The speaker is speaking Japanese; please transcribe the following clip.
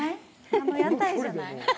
あの屋台じゃない？